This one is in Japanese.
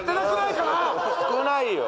少ないよ。